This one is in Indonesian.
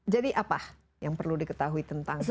jadi apa yang perlu diketahui tentang lupus